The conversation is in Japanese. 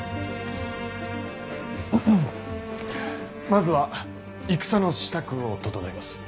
まずは戦の支度を調えます。